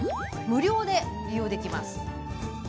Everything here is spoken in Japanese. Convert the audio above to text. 無料で利用できます。